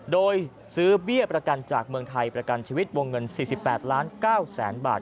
โดยซื้อเบี้ยประกันจากเมืองไทยประกันชีวิตวงเงิน๔๘ล้าน๙แสนบาท